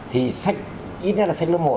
thì sách ít nhất là sách lớp một